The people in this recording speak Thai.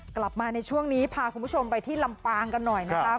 กลับมาในช่วงนี้พาคุณผู้ชมไปที่ลำปางกันหน่อยนะครับ